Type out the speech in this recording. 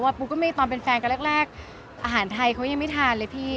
ปุ๊กก็มีตอนเป็นแฟนกันแรกอาหารไทยเขายังไม่ทานเลยพี่